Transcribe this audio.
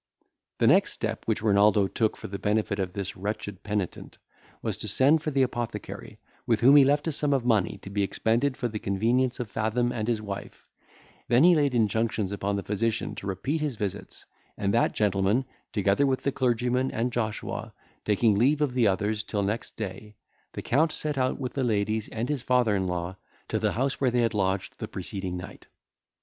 The next step which Renaldo took for the benefit of this wretched penitent, was to send for the apothecary, with whom he left a sum of money to be expended for the convenience of Fathom and his wife; then he laid injunctions upon the physician to repeat his visits; and that gentleman, together with the clergyman and Joshua, taking leave of the others till next day, the Count set out with the ladies and his father in law to the house where they had lodged the preceding night.